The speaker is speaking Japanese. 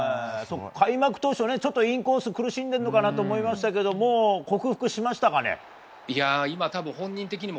開幕当初はちょっとインコースに苦しんでるのかなと思いましたけれども今、多分本人的にも